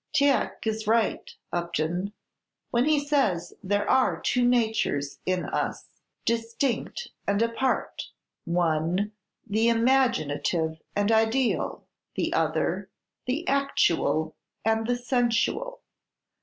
"Tieck is right, Upton, when he says there are two natures in us, distinct and apart: one, the imaginative and ideal; the other, the actual and the sensual.